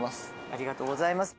ありがとうございます。